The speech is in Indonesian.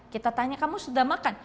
kita tanya kamu sudah makan